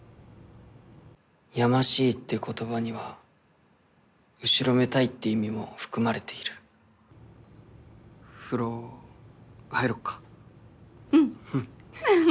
やましいって言葉には後ろめたいって意味も含まれている風呂入ろっかうんフフ